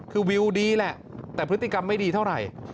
คือวิวดีแหละแต่พฤติกรรมไม่ดีเท่าไหร่